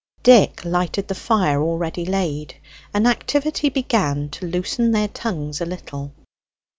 Dick lighted the fire already laid; and activity began to loosen their tongues a little.